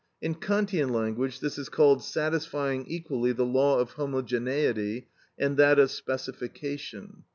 In Kantian language this is called satisfying equally the law of homogeneity and that of specification.